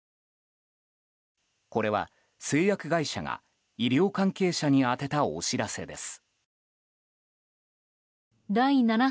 これは製薬会社が医療関係者に宛てた、お知らせです。